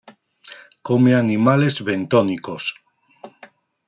Come animales bentónicos.